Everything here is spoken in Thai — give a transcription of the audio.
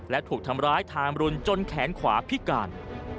และถูกทำร้ายทางรุนจนแขนขวาพิการ